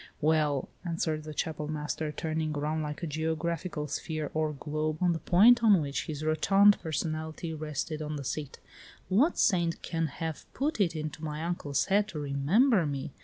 "Well," answered the Chapel master, turning around like a geographical sphere or globe on the point on which his rotund personality rested on the seat, "what saint can have put it into my uncle's head to remember me?